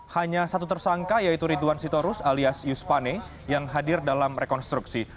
hanya satu tersangka yaitu ridwan sitorus alias yus pane yang hadir dalam rekonstruksi